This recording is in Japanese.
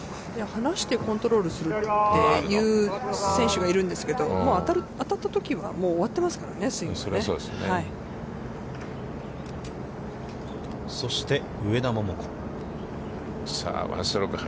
離してコントロールするっていう選手がいるんですけど、当たったときはもう終わってますからね、スイングが。